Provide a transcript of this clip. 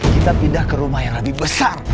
kita pindah ke rumah yang lebih besar